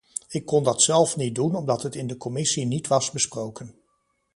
Ik kon dat zelf niet doen omdat het in de commissie niet was besproken.